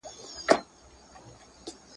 سياسي واک د خلکو د ملاتړه سرچينه اخلي.